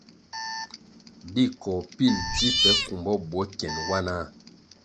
Di koh pil ji peh kumbo bwo kyen wanah.